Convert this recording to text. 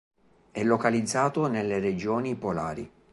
È localizzato nelle regioni polari.